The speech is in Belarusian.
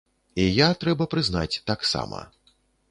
І я, трэба прызнаць, таксама.